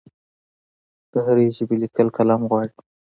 د هرې ژبې لیکل قلم غواړي.